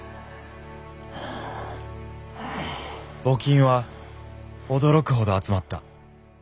募金は驚くほど集まった。